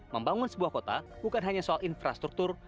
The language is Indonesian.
membangun sebuah kota bukan hanya soal infrastruktur